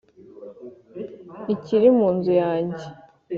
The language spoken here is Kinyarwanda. ikiri mu nzu yanjye